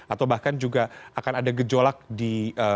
atau bahkan juga akan ada gejolak di